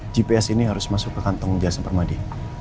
gps ini harus masuk ke kantong jasa permadi